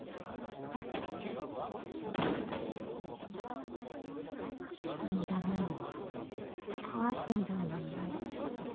だって気に入らないのは壊すんだもんね。